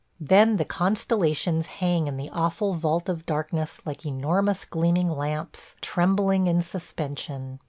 Then the constellations hang in the awful vault of darkness like enormous gleaming lamps trembling in suspension.